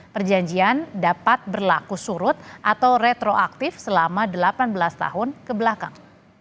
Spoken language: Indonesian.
perjanjian dapat berlaku surut atau retroaktif selama delapan belas tahun kebelakang